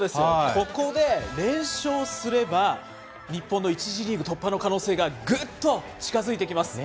ここで連勝すれば、日本の１次リーグ突破の可能性がぐっと近づいてきます。